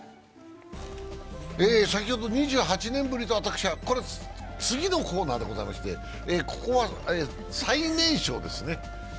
先ほど２８年ぶりと言いましたが、次のコーナーでございまして、ここは最年少ですね。